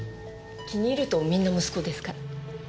気に入るとみんな息子ですから。